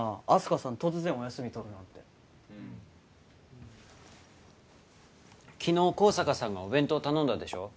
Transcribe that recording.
花さん突然お休み取るなんてうん昨日香坂さんがお弁当頼んだでしょ